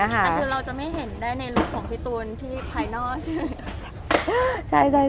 แต่คือเราจะไม่เห็นได้ในรูปของพี่ตูนที่ภายนอกใช่ไหม